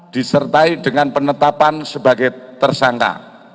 disertai dengan penetapan sebagai tersangka